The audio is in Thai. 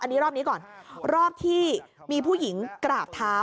อันนี้รอบนี้ก่อนรอบที่มีผู้หญิงกราบเท้า